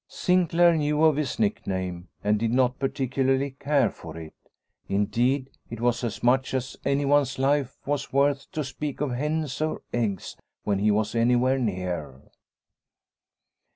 Sinclaire knew of his nickname, and did not particularly care for it ; indeed, it was as much as anyone's life was worth to speak of hens or eggs when he was anywhere near.